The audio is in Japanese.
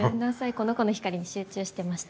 この子の光に集中してました。